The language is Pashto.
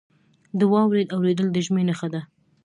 • د واورې اورېدل د ژمي نښه ده.